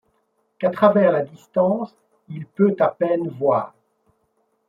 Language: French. Qu’à travers la distance il peut à péine voir